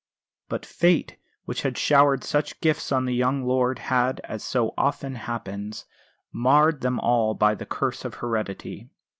But Fate, which had showered such gifts on the young lord had, as so often happens, marred them all by the curse of heredity.